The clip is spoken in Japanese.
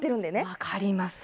分かります。